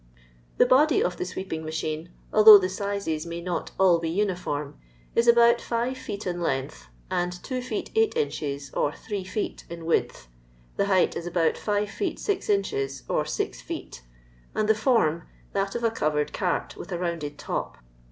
The body of the sweeping machine, although the sizes may not nil be uniform, is about 5 feet in length, and 2 feet 8 inches or 3 f;>et in width ; the height is about 5 feet 6 inches or 6 feet, and the form that of a covered cart, with a rounded top.